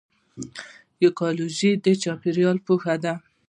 ایکیولوژي د چاپیریال پوهنه ده